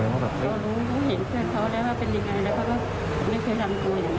แล้วเขาก็ไม่เคยทำตัวอย่างนั้น